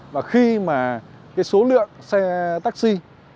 và khi mà cái số lượng xe taxi